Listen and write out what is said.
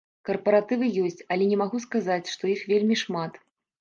Карпаратывы ёсць, але не магу сказаць, што іх вельмі шмат.